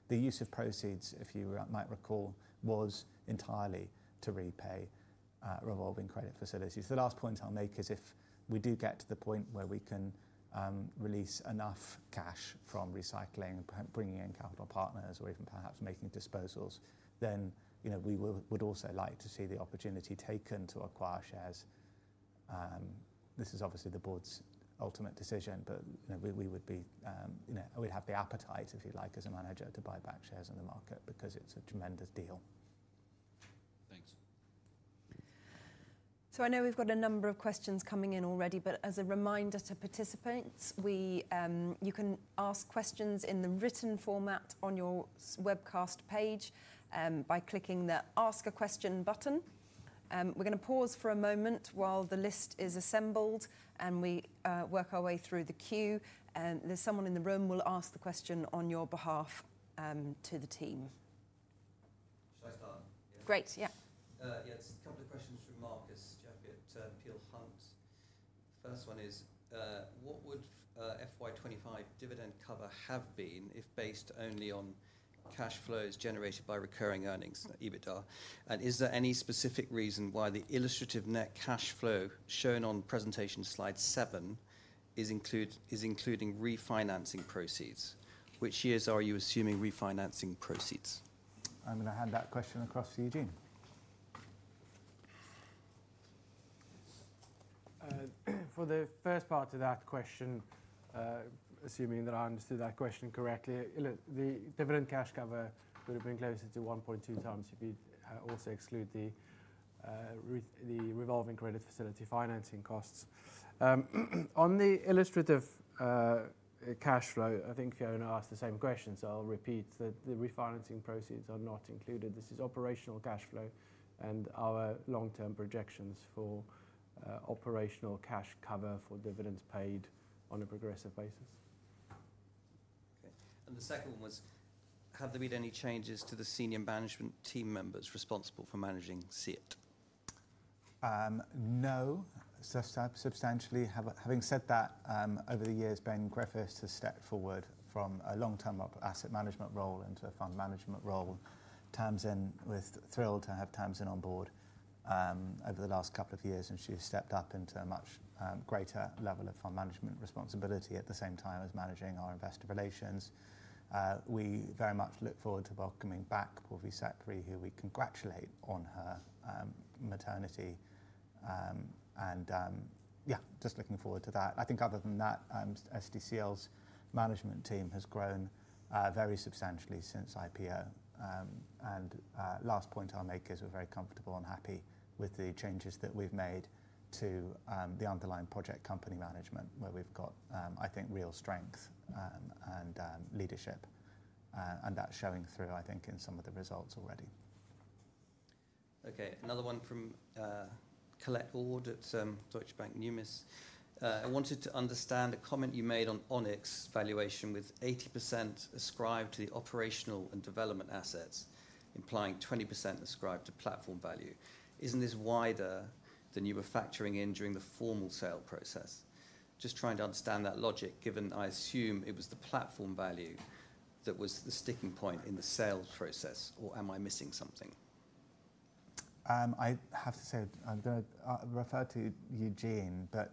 The use of proceeds, if you might recall, was entirely to repay revolving credit facilities. The last point I will make is if we do get to the point where we can release enough cash from recycling, bringing in capital partners or even perhaps making disposals, then, you know, we would also like to see the opportunity taken to acquire shares. This is obviously the board's ultimate decision, but, you know, we would be, you know, we would have the appetite, if you like, as a manager to buy back shares in the market because it is a tremendous deal. Thanks. I know we've got a number of questions coming in already, but as a reminder to participants, you can ask questions in the written format on your webcast page by clicking the ask a question button. We're going to pause for a moment while the list is assembled and we work our way through the queue. There's someone in the room who will ask the question on your behalf to the team. Shall I start? Yeah. Great. Yeah. Yeah, it's a couple of questions from Markuz Jaffe at Peel Hunt. First one is, what would FY2025 dividend cover have been if based only on cash flows generated by recurring earnings, EBITDA? And is there any specific reason why the illustrative net cash flow shown on presentation slide seven is including refinancing proceeds? Which years are you assuming refinancing proceeds? I'm going to hand that question across to Eugene. For the first part of that question, assuming that I understood that question correctly, look, the dividend cash cover would have been closer to 1.2 times if you'd also exclude the revolving credit facility financing costs. On the illustrative cash flow, I think Fiona asked the same question, so I'll repeat that the refinancing proceeds are not included. This is operational cash flow and our long-term projections for operational cash cover for dividends paid on a progressive basis. Okay. The second one was, have there been any changes to the senior management team members responsible for managing SEIT? No, substantially. Having said that, over the years, Ben Griffiths has stepped forward from a long-term asset management role into a fund management role. Tamsin was thrilled to have Tamsin on board over the last couple of years, and she has stepped up into a much greater level of fund management responsibility at the same time as managing our investor relations. We very much look forward to welcoming back Purvi Sapre, who we congratulate on her maternity. And, yeah, just looking forward to that. I think other than that, SDCL's management team has grown very substantially since IPO. And, last point I'll make is we're very comfortable and happy with the changes that we've made to the underlying project company management, where we've got, I think, real strength and leadership. And that's showing through, I think, in some of the results already. Okay. Another one from Colette Ord at Deutsche Bank Numis. I wanted to understand a comment you made on Onyx valuation with 80% ascribed to the operational and development assets, implying 20% ascribed to platform value. Isn't this wider than you were factoring in during the formal sale process? Just trying to understand that logic, given I assume it was the platform value that was the sticking point in the sales process, or am I missing something? I have to say, I'm going to refer to Eugene, but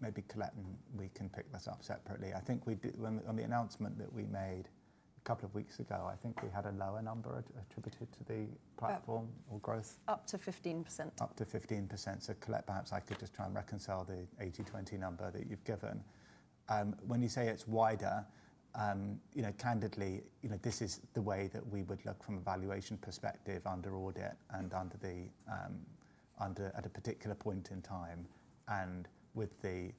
maybe Collect and we can pick this up separately. I think we did, on the announcement that we made a couple of weeks ago, I think we had a lower number attributed to the platform or growth. Up to 15%. Up to 15%. So Colette, perhaps I could just try and reconcile the 80/20 number that you've given. When you say it's wider, you know, candidly, you know, this is the way that we would look from a valuation perspective under audit and under the, under at a particular point in time and with the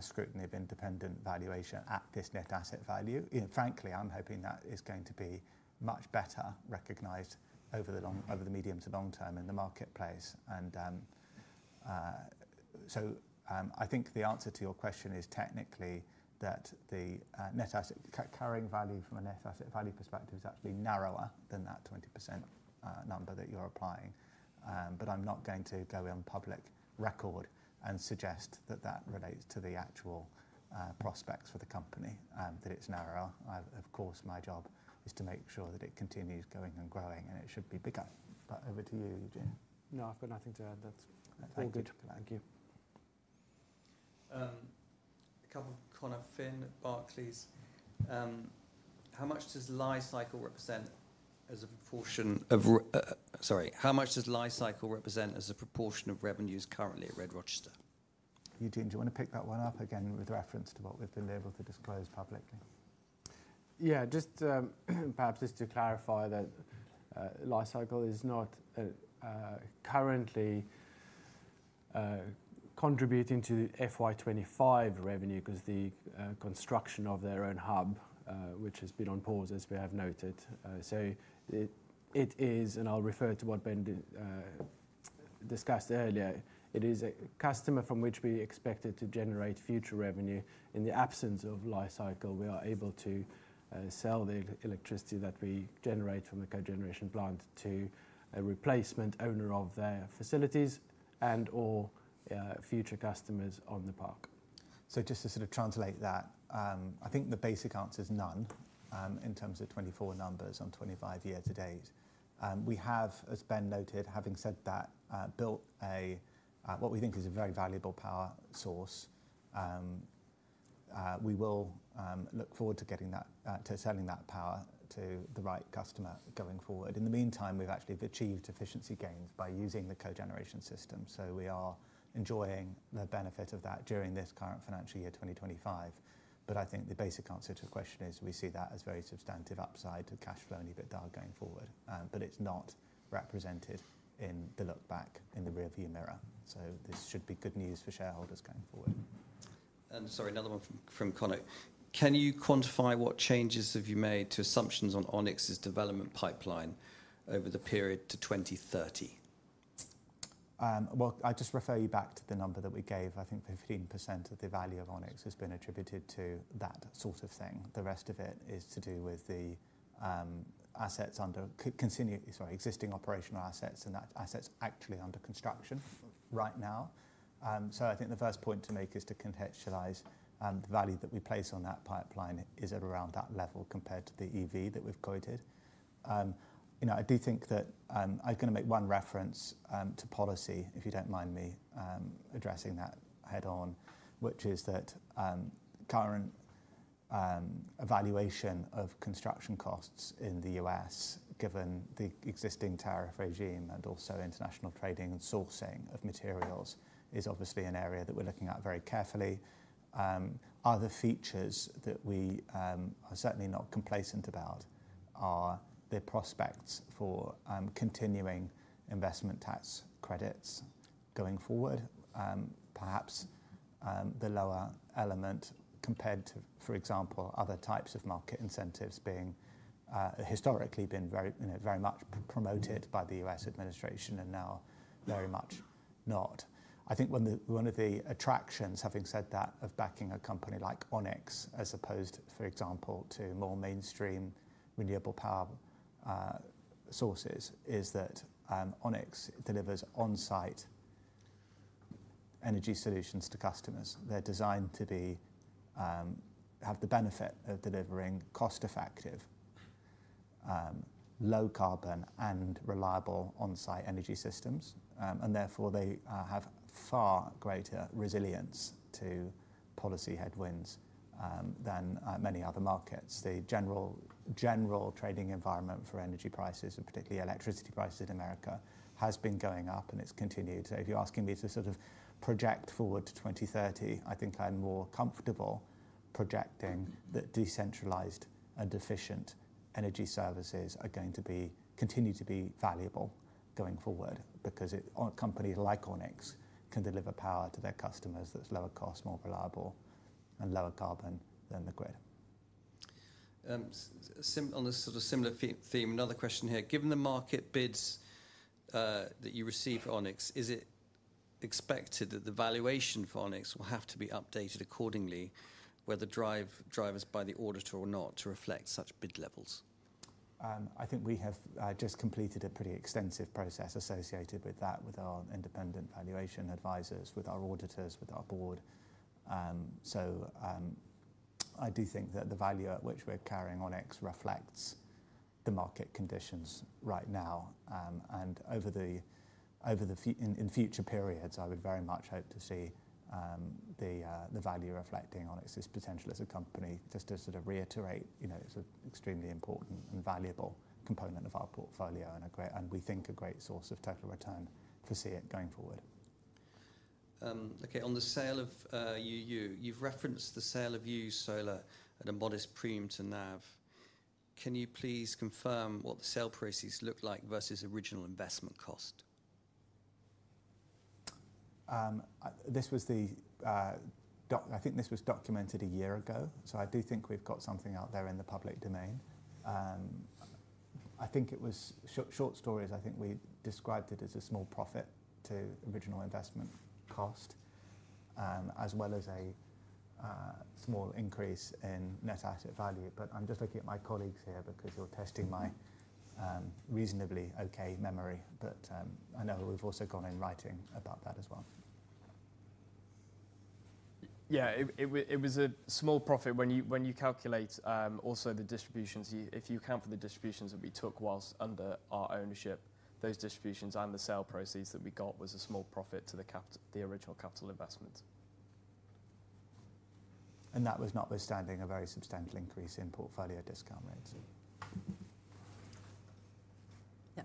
scrutiny of independent valuation at this net asset value. You know, frankly, I'm hoping that is going to be much better recognized over the long, over the medium to long term in the marketplace. I think the answer to your question is technically that the net asset carrying value from a net asset value perspective is actually narrower than that 20% number that you're applying. I'm not going to go in public record and suggest that that relates to the actual prospects for the company, that it's narrower. I, of course, my job is to make sure that it continues going and growing and it should be bigger. Over to you, Eugene. No, I've got nothing to add. That's all good. Thank you. A couple of Conor Finn at Barclays. How much does Lifecycle represent as a proportion of, sorry, how much does Lifecycle represent as a proportion of revenues currently at RED-Rochester? Eugene, do you want to pick that one up again with reference to what we've been able to disclose publicly? Yeah, just, perhaps just to clarify that, Lifecycle is not currently contributing to the FY2025 revenue because the construction of their own hub, which has been on pause, as we have noted. It is, and I'll refer to what Ben discussed earlier. It is a customer from which we expected to generate future revenue. In the absence of Lifecycle, we are able to sell the electricity that we generate from the cogeneration plant to a replacement owner of their facilities and/or future customers on the park. Just to sort of translate that, I think the basic answer is none, in terms of 2024 numbers on 2025 years to date. We have, as Ben noted, having said that, built a, what we think is a very valuable power source. We will look forward to getting that, to selling that power to the right customer going forward. In the meantime, we have actually achieved efficiency gains by using the cogeneration system. We are enjoying the benefit of that during this current financial year, 2025. I think the basic answer to the question is we see that as very substantive upside to cash flow and EBITDA going forward. but it's not represented in the look back in the rearview mirror. This should be good news for shareholders going forward. Sorry, another one from, from Conor. Can you quantify what changes have you made to assumptions on Onyx's development pipeline over the period to 2030? I just refer you back to the number that we gave. I think 15% of the value of Onyx has been attributed to that sort of thing. The rest of it is to do with the assets under continuing, sorry, existing operational assets and assets actually under construction right now. I think the first point to make is to contextualize, the value that we place on that pipeline is at around that level compared to the EV that we've quoted. You know, I do think that, I'm going to make one reference to policy, if you don't mind me addressing that head on, which is that current evaluation of construction costs in the U.S., given the existing tariff regime and also international trading and sourcing of materials, is obviously an area that we're looking at very carefully. Other features that we are certainly not complacent about are the prospects for continuing investment tax credits going forward. Perhaps, the lower element compared to, for example, other types of market incentives being, historically been very, you know, very much promoted by the U.S. administration and now very much not. I think one of the, one of the attractions, having said that, of backing a company like Onyx, as opposed, for example, to more mainstream renewable power sources, is that Onyx delivers onsite energy solutions to customers. They're designed to have the benefit of delivering cost-effective, low-carbon, and reliable onsite energy systems. Therefore, they have far greater resilience to policy headwinds than many other markets. The general trading environment for energy prices, and particularly electricity prices in America, has been going up and it's continued. If you're asking me to sort of project forward to 2030, I think I'm more comfortable projecting that decentralized and efficient energy services are going to continue to be valuable going forward because companies like Onyx can deliver power to their customers that's lower cost, more reliable, and lower carbon than the grid. On a sort of similar theme, another question here. Given the market bids that you receive for Onyx, is it expected that the valuation for Onyx will have to be updated accordingly, whether driven by the auditor or not, to reflect such bid levels? I think we have just completed a pretty extensive process associated with that, with our independent valuation advisors, with our auditors, with our board. I do think that the value at which we're carrying Onyx reflects the market conditions right now. In future periods, I would very much hope to see the value reflecting on its potential as a company. Just to sort of reiterate, you know, it's an extremely important and valuable component of our portfolio and we think a great source of total return for SEIT going forward. Okay. On the sale of, you've referenced the sale of UU Solar at a modest premium to NAV. Can you please confirm what the sale prices look like versus original investment cost? This was the, I think this was documented a year ago. I do think we've got something out there in the public domain. I think it was short stories. I think we described it as a small profit to original investment cost, as well as a small increase in net asset value. I'm just looking at my colleagues here because you're testing my reasonably okay memory. I know we've also gone in writing about that as well. Yeah, it was a small profit when you calculate, also the distributions, if you account for the distributions that we took whilst under our ownership, those distributions and the sale proceeds that we got was a small profit to the capital, the original capital investment. That was notwithstanding a very substantial increase in portfolio discount rates. Yeah.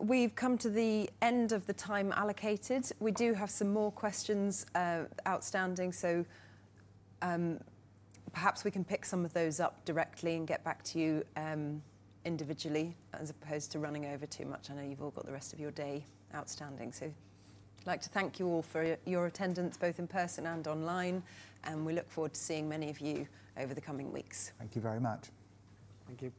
We have come to the end of the time allocated. We do have some more questions outstanding. Perhaps we can pick some of those up directly and get back to you individually as opposed to running over too much. I know you have all got the rest of your day outstanding. I would like to thank you all for your attendance, both in person and online. We look forward to seeing many of you over the coming weeks. Thank you very much. Thank you.